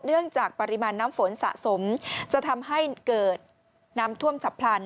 จากปริมาณน้ำฝนสะสมจะทำให้เกิดน้ำท่วมฉับพลัน